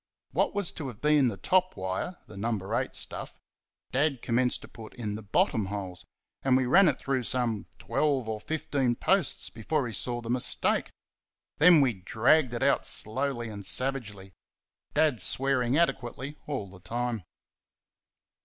What was to have been the top wire (the No. 8 stuff) Dad commenced to put in the bottom holes, and we ran it through some twelve or fifteen posts before he saw the mistake then we dragged it out slowly and savagely; Dad swearing adequately all the time.